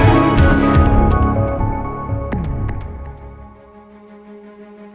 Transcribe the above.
ya udah mama ngadep dulu di mobil